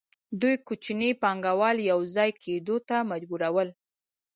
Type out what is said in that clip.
دوی کوچني پانګوال یوځای کېدو ته مجبورول